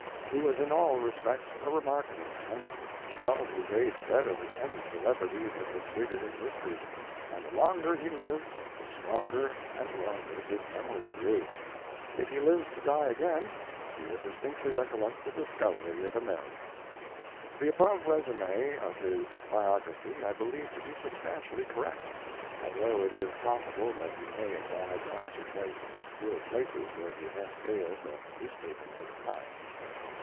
He was in all respects a remarkable man. He held his age better than any celebrity that has figured in history; and the longer he lived the stronger and longer his memory grew. If he lives to die again, he will distinctly recollect the discovery of America. The above resume of his biography I believe to be substantially correct, although it is possible that he may have died once or twice in obscure places where the event failed of newspaper notoriety.